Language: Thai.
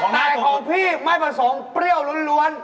แต่ของพี่ไม่ผสมเปรี้ยวล้วน